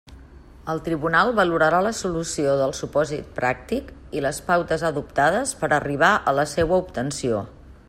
El tribunal valorarà la solució del supòsit pràctic i les pautes adoptades per a arribar a la seua obtenció.